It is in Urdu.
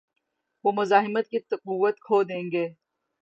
وہ مزاحمت کی قوت کھو دیں گے۔